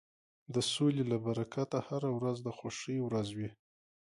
د سولې له برکته هره ورځ د خوښۍ ورځ وي.